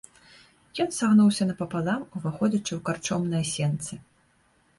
Ён сагнуўся напалам, уваходзячы ў карчомныя сенцы.